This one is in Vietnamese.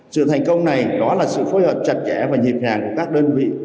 sự thành công này đó là sự phối hợp chặt chẽ và nhịp nhàng của các đơn vị